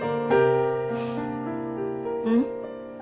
うん。